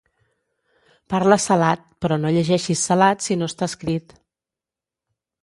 parla salat, però no llegeixis salat si no està escrit